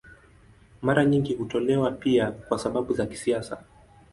Mara nyingi hutolewa pia kwa sababu za kisiasa.